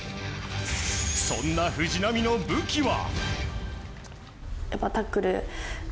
そんな藤波の武器は。